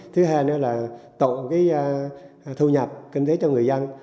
thứ hai nữa là tạo thu nhập kinh tế cho người dân